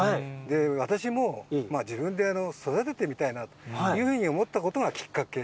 私も自分で育ててみたいなというふうに思ったことがきっかけ